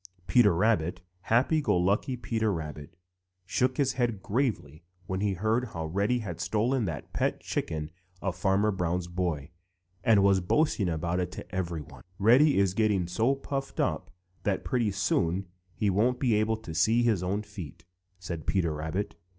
Peter Rabbit, happy go lucky Peter Rabbit, shook his head gravely when he heard how Reddy had stolen that pet chicken of Farmer Brown's boy, and was boasting about it to everyone. "Reddy Fox is getting so puffed up that pretty soon he won't be able to see his own feet," said Peter Rabbit.